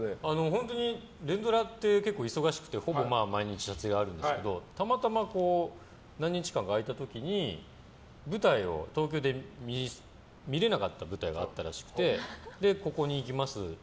本当に連ドラって結構忙しくてほぼ毎日、撮影があるんですけどたまたま何日間か空いた時に東京で見れなかった舞台があったらしくてここに行きますって